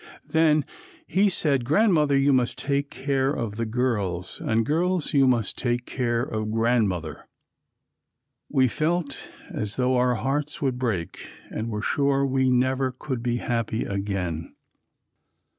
Then he said, "Grandmother, you must take care of the girls, and, girls, you must take care of Grandmother." We felt as though our hearts would break and were sure we never could be happy again.